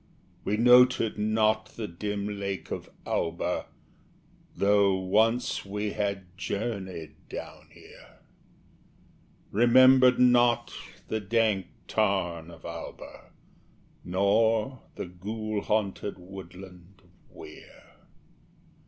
We noted not the dim lake of Auber (Though once we had journeyed down here), Remembered not the dank tarn of Auber, Nor the ghoul haunted woodland of Weir.